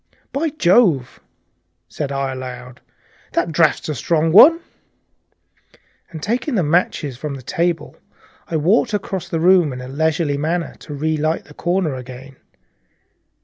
"By Jove," said I aloud, recovering from my surprise, "that draft's a strong one;" and taking the matchbox from the table, I walked across the room in a leisurely manner to relight the corner again.